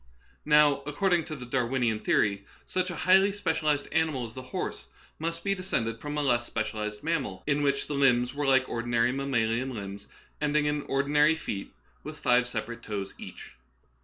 Now according to the Darwinian theory, such a highly specialized animal as the horse must be descended from a less specialized mammal in which the limbs were like ordinary mammalian limbs, ending in ordinary feet with five separate toes each.